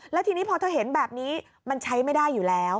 แล้วทีนี้พอเธอเห็นแบบนี้มันใช้ไม่ได้อยู่แล้ว